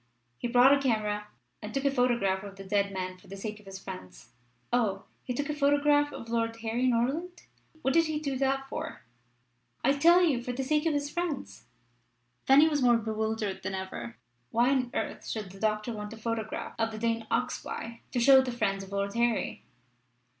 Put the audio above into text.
He brought a camera and took a photograph of the dead man for the sake of his friends." "Oh! he took a photograph of of Lord Harry Norland. What did he do that for?" "I tell you: for the sake of his friends." Fanny was more bewildered than ever. Why on earth should the doctor want a photograph of the Dane Oxbye to show the friends of Lord Harry?